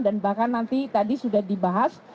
dan bahkan nanti tadi sudah dibahas